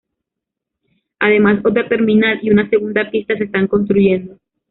Además, otra terminal y una segunda pista se están construyendo.